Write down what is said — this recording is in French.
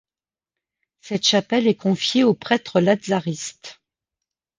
Cette chapelle est confiée aux prêtres Lazaristes.